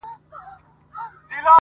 هلهیاره د سپوږمۍ پر لوري یون دی,